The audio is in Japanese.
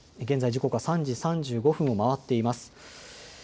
現在時刻は３時３５分を回っています。